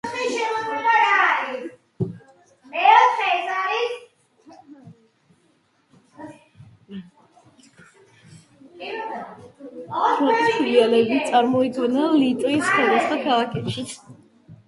ფრონტის ფილიალები წარმოიქმნა ლიტვის სხვადასხვა ქალაქებშიც.